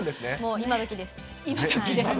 今どきですね。